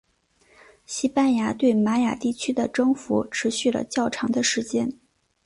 西班牙对玛雅地区的征服持续了较长的时间。